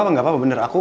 gak apa apa bener